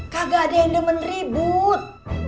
kagak ada yang demen ribut